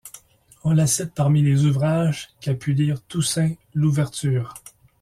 On la cite parmi les ouvrages qu’a pu lire Toussaint Louverture.